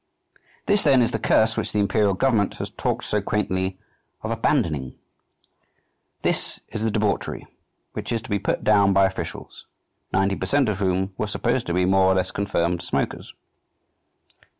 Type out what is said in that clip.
This then is the curse which the imperial government has talked so quaintly of "abandoning." This is the debauchery which is to be put down by officials, ninety per cent of whom were supposed to be more or less confirmed smokers.